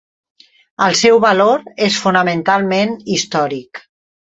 El seu valor és fonamentalment històric.